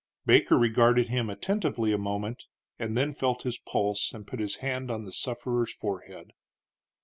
Baker regarded him attentively a moment, and then felt his pulse and put his hand on the sufferer's forehead.